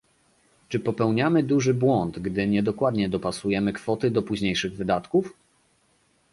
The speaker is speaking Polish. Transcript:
Czy popełniamy duży błąd, gdy niedokładnie dopasujemy kwoty do późniejszych wydatków?